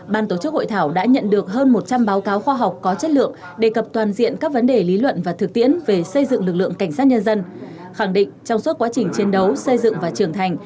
ban tổ chức hội thảo đã nhận được hơn một trăm linh báo cáo khoa học có chất lượng đề cập toàn diện các vấn đề lý luận và thực tiễn về xây dựng lực lượng cảnh sát nhân dân